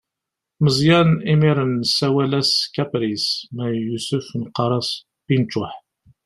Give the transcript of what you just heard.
Meẓyan imir-n nessawal-as kapris, ma yusef neqqaṛ-as pinčuḥ.